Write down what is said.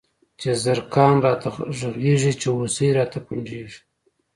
چی زرکان راته غږيږی، چی هوسۍ راته پنډيږی